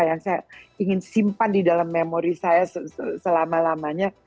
yang saya ingin simpan di dalam memori saya selama lamanya